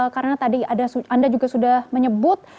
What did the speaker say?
karena tadi anda juga sudah menyebut